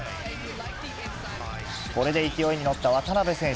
これで勢いに乗った渡邊選手。